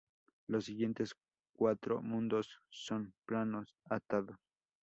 Los siguientes cuatro mundos son planos atados.